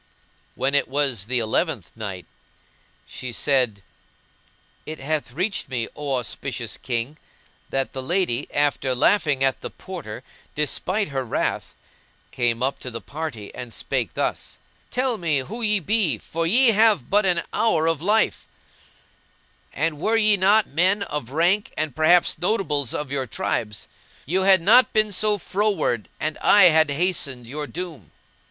When It was the Eleventh Night, She said, It hath reached me, O auspicious King, that the lady, after laughing at the Porter despite her wrath, came up to the party and spake thus, "Tell me who ye be, for ye have but an hour of life; and were ye not men of rank and, perhaps, notables of your tribes, you had not been so froward and I had hastened your doom."